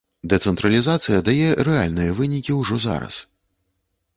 Дэцэнтралізацыя дае рэальныя вынікі ўжо зараз.